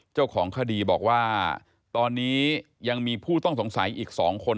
เจ้าของคดีบอกว่าตอนนี้ยังมีผู้ต้องสงสัยอีก๒คน